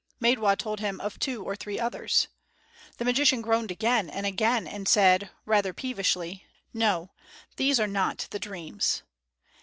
Maidwa told him of two or three others. The magician groaned again and again and said, rather peevishly, "No, these are not the dreams."